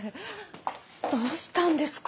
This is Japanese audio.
どうしたんですか？